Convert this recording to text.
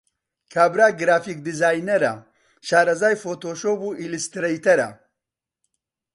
کابرا گرافیک دیزاینەرە، شارەزای فۆتۆشۆپ و ئیلسترەیتەرە.